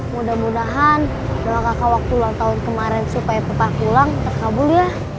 mudah mudahan dalam kakak waktu ulang tahun kemarin supaya tetap pulang terkabul ya